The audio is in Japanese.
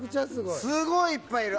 すごいいっぱいいる。